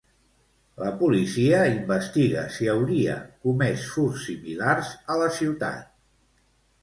La policia investiga si hauria comès furts similars a la ciutat.